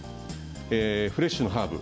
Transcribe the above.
フレッシュなハーブ。